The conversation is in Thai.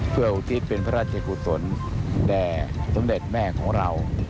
เพื่ออุทิศเป็นพระราชกุศลแด่สมเด็จแม่ของเรา